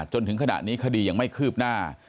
จนถึงขณะนี้คดียังไม่คืบหน้า